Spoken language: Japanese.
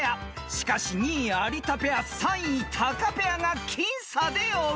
［しかし２位有田ペア３位タカペアが僅差で追う］